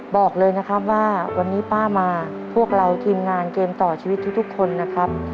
บอกเลยนะครับว่าวันนี้ป้ามาพวกเราทีมงานเกมต่อชีวิตทุกคนนะครับ